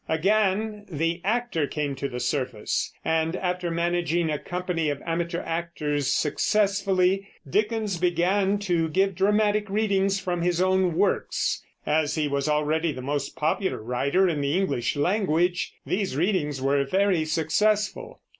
Again the actor came to the surface, and after managing a company of amateur actors successfully, Dickens began to give dramatic readings from his own works. As he was already the most popular writer in the English language, these readings were very successful.